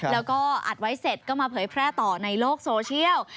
แล้วก็อัดไว้เสร็จก็มาเผยแพร่ต่อในโลกโซเชียล